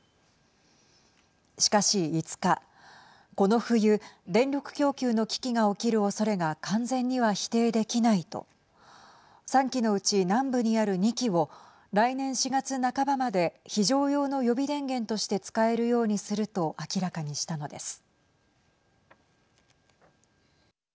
しかし、５日この冬、電力供給の危機が起きるおそれが完全には否定できないと３基のうち南部にある２基を来年４月半ばまで非常用の予備電源として使えるようにすると明らかにしたのです。